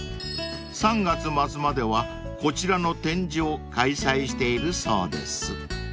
［３月末まではこちらの展示を開催しているそうです］